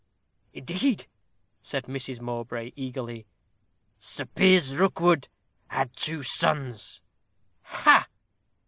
"Indeed!" said Mrs. Mowbray, eagerly. "Sir Piers Rookwood had two sons." "Ha!"